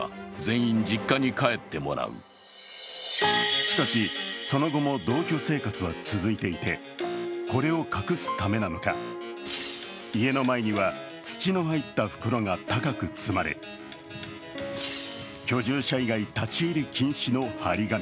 しかし、その後も同居生活は続いていてこれを隠すためなのか家の前には土の入った袋が高く積まれ、居住者以外立入禁止の貼り紙。